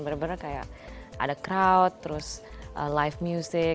bener bener kayak ada crowd terus live music